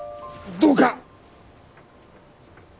どうか。